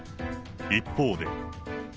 一方で。